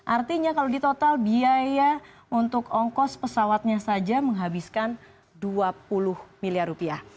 artinya kalau di total biaya untuk ongkos pesawatnya saja menghabiskan dua puluh miliar rupiah